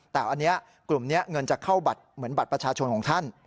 แต่อันนี้กลุ่มนี้เงินจะเข้าบัตรเหมือนบัตรประชาชนของท่าน